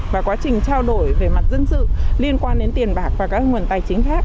và quá trình trao đổi về mặt dân sự liên quan đến tiền bạc và các nguồn tài chính khác